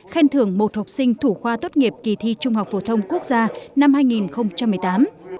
khen thưởng một học sinh thủ khoa tốt nghiệp kỳ thi trung học phổ thông quốc gia năm hai nghìn một mươi tám